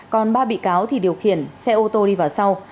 còn ba bị cáo thì điều khiển xe ô tô đi vào sau